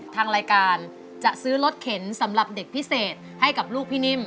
ทางรายการจะซื้อรถเข็นสำหรับเด็กพิเศษให้กับลูกพี่นิ่ม